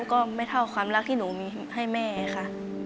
ก็ไม่เท่าความรักที่หนูมีให้แม่ค่ะ